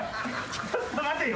ちょっと待てよ。